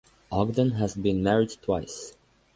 Ogden has been married twice.